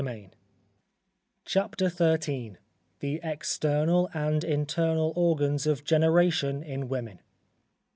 CHAPTER XIII _The External, and Internal Organs of Generation in Women.